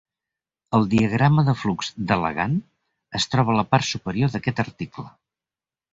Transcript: El diagrama de flux d'"Elegant" es troba a la part superior d'aquest article.